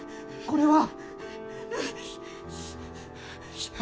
これは！